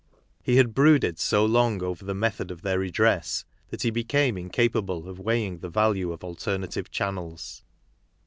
He had brooded so long over the method of their redress, that he became incapable of weighing the value of alternative channels.